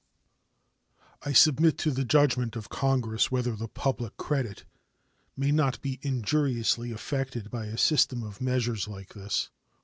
I submit to the judgment of Congress whether the public credit may not be injuriously affected by a system of measures like this.